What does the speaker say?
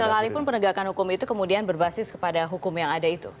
sekalipun penegakan hukum itu kemudian berbasis kepada hukum yang ada itu